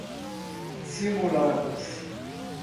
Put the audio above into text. simulados